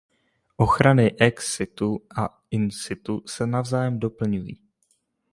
Ochrany "ex situ" a "in situ" se navzájem doplňují.